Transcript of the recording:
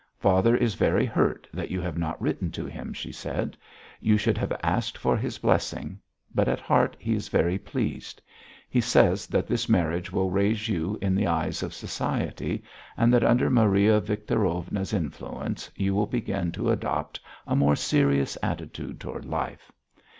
"Father is very hurt that you have not written to him," she said. "You should have asked for his blessing. But, at heart, he is very pleased. He says that this marriage will raise you in the eyes of society, and that under Maria Victorovna's influence you will begin to adopt a more serious attitude toward life.